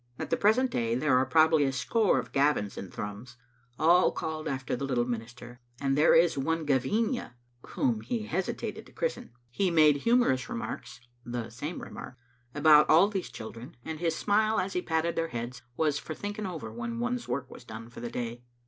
At the present day there are probably a score of Gavins in Thrums, all called after the little minister, and there is one Gavinia, whom he hesitated to christen. He Digitized by VjOOQ IC 164 (tbe Xitttc Afntetet. made humorous remarks (the same remark) about all these children, and his smile as he patted their heads was for thinking over when one's work was done for the day.